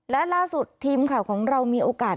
และล่าสุดทีมข่าวของเรามีโอกาส